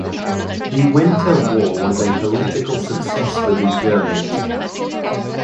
The Winter War was a political success for the Germans.